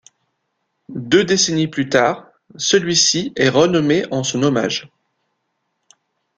Deux décennies plus tard, celui-ci est renommé en son hommage.